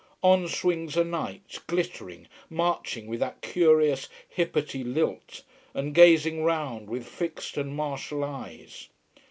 On swings a knight, glittering, marching with that curious hippety lilt, and gazing round with fixed and martial eyes.